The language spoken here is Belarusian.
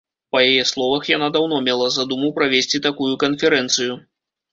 Па яе словах, яна даўно мела задуму правесці такую канферэнцыю.